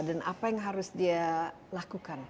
dan apa yang harus dia lakukan